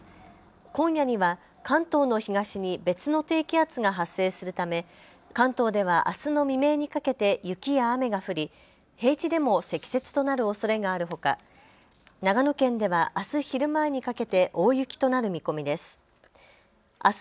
今夜には関東の東に別の低気圧が発生するため関東ではあすの未明にかけて雪や雨が降り平地でも積雪となるおそれがあるほか長野県ではあす昼前にかけて大雪となる見込みです。